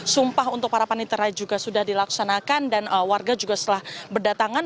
sumpah untuk para panitera juga sudah dilaksanakan dan warga juga setelah berdatangan